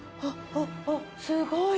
すごい。